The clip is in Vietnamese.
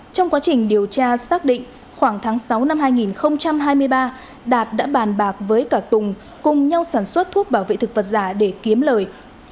trong quá trình điều tra xác định khoảng tháng sáu năm hai nghìn hai mươi ba đạt đã bàn bạc với cả tùng cùng nhau sản xuất thuốc bảo vệ thực vật giả để kiếm lời